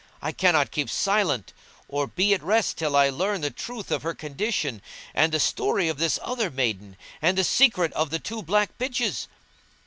I cannot keep silence or be at rest till I learn the truth of her condition and the story of this other maiden and the secret of the two black bitches."